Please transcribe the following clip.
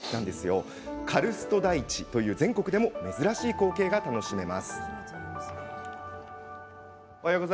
カルスト台地という全国でも珍しい光景が楽しめます。